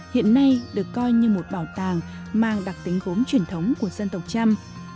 hiện nay được coi như một bảo tàng mang đặc tính gốm truyền thống của dân tộc trăm